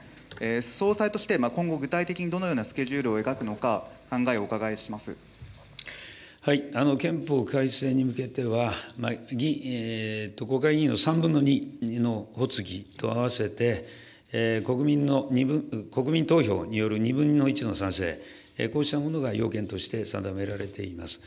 総裁として今後、具体的にどのようなスケジュールを描くのか、考憲法改正に向けては、国会議員の３分の２の発議と合わせて、国民投票による２分の１の賛成、こうしたものが要件として定められています。